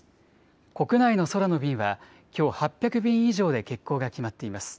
国内の空の便はきょう、８００便以上で欠航が決まっています。